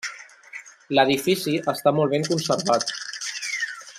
L'edifici està molt ben conservat.